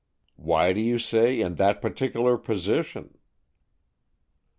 "Why do you say in that particular position?"